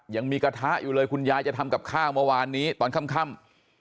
ยังมีกระทะอยู่เลยคุณยายจะทำกับข้าวเมื่อวานนี้ตอนค่ำ